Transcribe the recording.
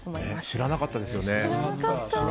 知らなかったですね。